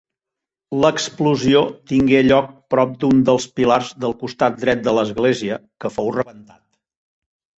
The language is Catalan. L'explosió tingué lloc prop d'un dels pilars del costat dret de l'església, que fou rebentat.